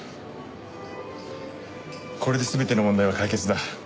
これで全ての問題は解決だ。